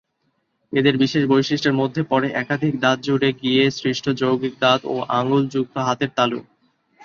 এদের বিশেষ বৈশিষ্ট্যের মধ্যে পড়ে একাধিক দাঁত জুড়ে গিয়ে সৃষ্ট যৌগিক দাঁত ও আঙুল যুক্ত হাতের তালু।